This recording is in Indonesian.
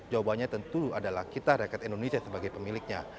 jawabannya tentu adalah kita rakyat indonesia sebagai pemiliknya